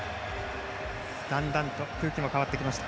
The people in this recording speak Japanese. だんだんと空気も変わってきました。